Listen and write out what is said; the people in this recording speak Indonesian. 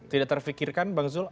tidak terfikirkan bang zul